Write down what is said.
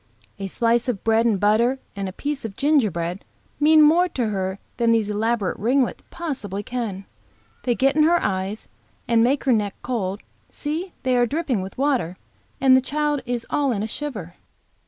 A slice of bread and butter and a piece of gingerbread mean more to her than these elaborate ringlets possibly can. They get in her eyes, and make her neck cold; see, they are dripping with water, and the child is all in a shiver."